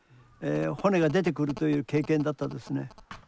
骨が出てくるという経験だったですね。